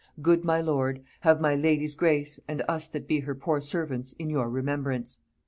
"Good my lord, have my lady's grace, and us that be her poor servants in your remembrance.